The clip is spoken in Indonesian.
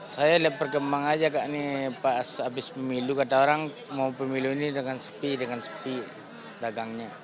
saya lihat berkembang aja kak ini pas habis pemilu kata orang mau pemilu ini dengan sepi dengan sepi dagangnya